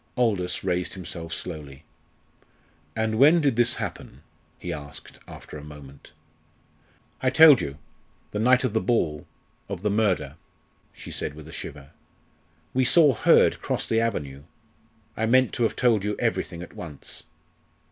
Aldous raised himself slowly. "And when did this happen?" he asked after a moment. "I told you the night of the ball of the murder," she said with a shiver; "we saw Hurd cross the avenue. I meant to have told you everything at once."